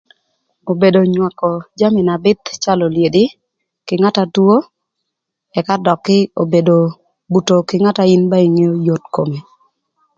Obedo nywakö jami na bïth calö olyedi kï ngat na two ëka dökï obedo bütö kï ngat na in ba ingeo yot kome.